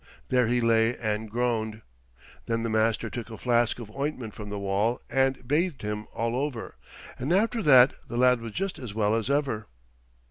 There he lay and groaned. Then the Master took a flask of ointment from the wall and bathed him all over, and after that the lad was just as well as ever.